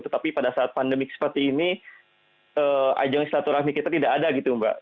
tetapi pada saat pandemi seperti ini ajang selatu rahmi kita tidak ada gitu mbak